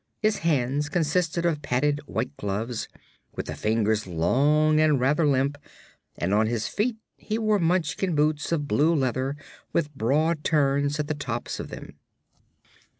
His hands consisted of padded white gloves, with the fingers long and rather limp, and on his feet he wore Munchkin boots of blue leather with broad turns at the tops of them.